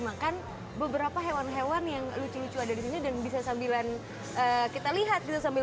makan beberapa hewan hewan yang lucu lucu ada di sini dan bisa sambilan kita lihat gitu sambil